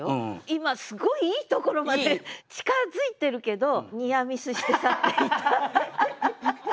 今すごいいいところまで近づいてるけどニアミスして去っていった。